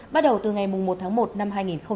bắt đầu từ ngày một tháng một năm hai nghìn hai mươi